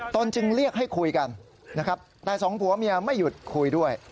ตนจึงเรียกให้คุยกันนะครับแต่สองผัวเมียไม่หยุดคุยด้วย